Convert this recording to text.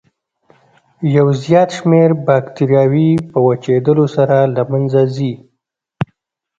یو زیات شمېر باکتریاوې په وچېدلو سره له منځه ځي.